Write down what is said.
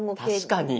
確かに！